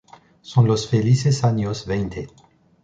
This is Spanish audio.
Son los felices años veinte.